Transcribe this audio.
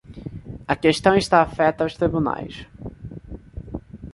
A questão está afeta aos tribunais.